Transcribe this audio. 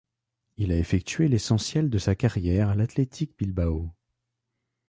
Il a effectué l'essentiel de sa carrière à l'Athletic Bilbao.